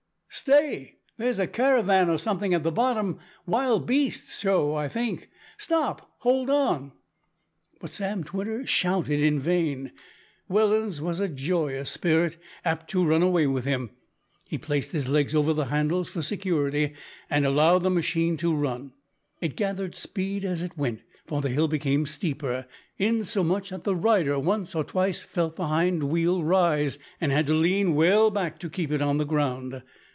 "Stay! there's a caravan or something at the bottom wild beasts' show, I think! Stop! hold on!" But Sam Twitter shouted in vain. Welland's was a joyous spirit, apt to run away with him. He placed his legs over the handles for security, and allowed the machine to run. It gathered speed as it went, for the hill became steeper, insomuch that the rider once or twice felt the hind wheel rise, and had to lean well back to keep it on the ground.